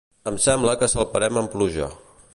Em sembla que salparem amb pluja